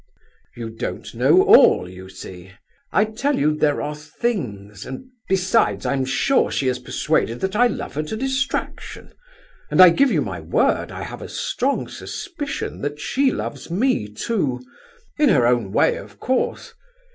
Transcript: "You don't know all, you see; I tell you there are things—and besides, I'm sure that she is persuaded that I love her to distraction, and I give you my word I have a strong suspicion that she loves me, too—in her own way, of course.